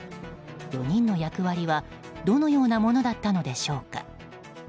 ４人の役割はどのようなものだったのでしょうか。